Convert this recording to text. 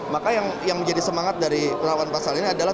maka yang menjadi semangat dari melawan pasal ini adalah